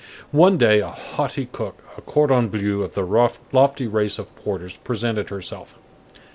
One day, a haughty cook, a cordon bleu, of the lofty race of porters, presented herself.